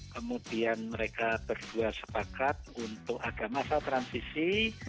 kemudian mereka berdua sepakat untuk agama transisi